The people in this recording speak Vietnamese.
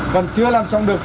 cần chưa làm xong